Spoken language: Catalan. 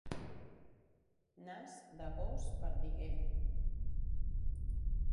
Nas de gos perdiguer.